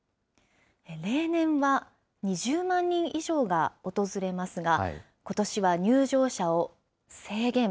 例年は２０万人以上が訪れますが、ことしは入場者を制限。